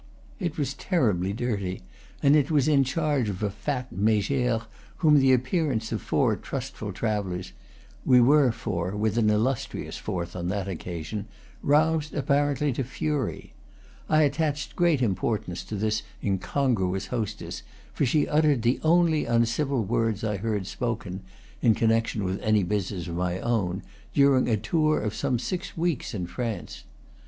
It was terribly dirty, and it was in charge of a fat megere whom the appearance of four trustful travellers we were four, with an illustrious fourth, on that occasion roused apparently to fury. I attached great importance to this incongruous hostess, for she uttered the only uncivil words I heard spoken (in connection with any business of my own) during a tour of some six weeks in France.